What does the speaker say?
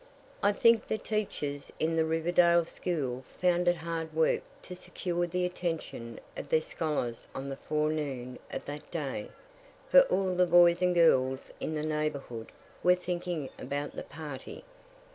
I think the teachers in the Riverdale school found it hard work to secure the attention of their scholars on the forenoon of that day, for all the boys and girls in the neighborhood were thinking about the party.